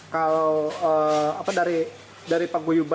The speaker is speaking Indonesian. kalau apa dari pagu yuban